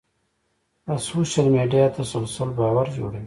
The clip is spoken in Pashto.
د سوشل میډیا تسلسل باور جوړوي.